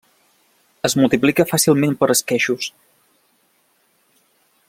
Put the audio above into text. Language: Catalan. Es multiplica fàcilment per esqueixos.